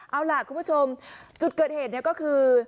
เอาล่ะคุณผู้ชมจุดเกิดเหตุเนี่ยก็คือ